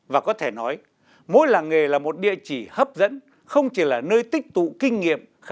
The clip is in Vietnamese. và có thể nói mỗi làng nghề là một địa chỉ hấp dẫn không chỉ là nơi tích tụ kinh nghiệm